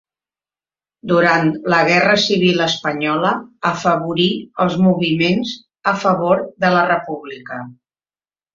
Durant la Guerra Civil espanyola afavorí els moviments a favor de la República.